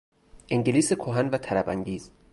انگلیس کهن و طرب انگیز